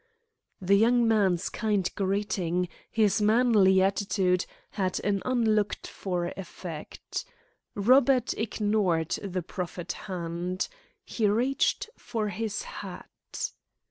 The young man's kind greeting, his manly attitude, had an unlooked for effect. Robert ignored the proffered hand. He reached for his hat.